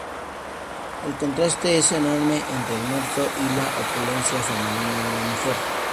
El contraste es enorme entre el muerto y la opulencia femenina de la mujer.